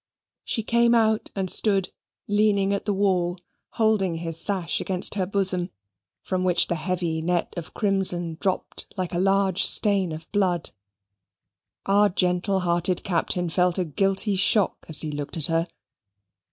She came out and stood, leaning at the wall, holding this sash against her bosom, from which the heavy net of crimson dropped like a large stain of blood. Our gentle hearted Captain felt a guilty shock as he looked at her.